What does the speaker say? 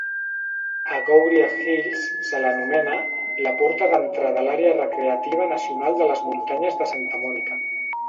A Agouria Hills se l'anomena "la porta d'entrada a l'àrea recreativa nacional de les muntanyes de Santa Monica".